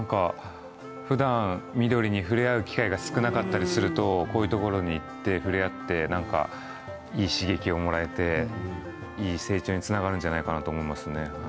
ふだん緑に触れ合う機会が少なかったりするとこういうところに行って触れ合って、いい刺激をもらえていい成長につながるんじゃないかと思います。